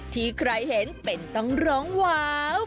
ที่ใครเห็นเป็นต้องร้องว้าว